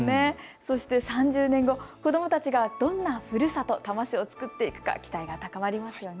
そして３０年後、子どもたちがどんなふるさと、多摩市を作っていくか期待が高まりますね。